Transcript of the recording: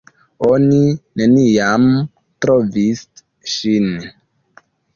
Oni neniam trovis ŝin.